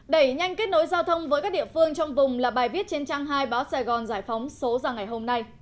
đẩy nhanh kết nối giao thông với các địa phương trong vùng là bài viết trên trang hai báo sài gòn giải phóng số ra ngày hôm nay